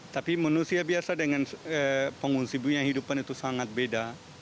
tapi manusia biasa dengan pengungsi punya hidupan itu sangat beda